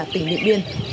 tỉnh điện biên